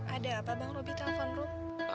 ada apa bang robi telepon rum